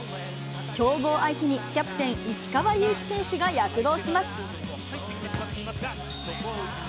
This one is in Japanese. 強豪相手にキャプテン、石川祐希選手が躍動します。